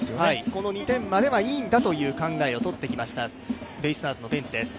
この２点まではいいんだという考えをとってきました、ベイスターズのベンチです。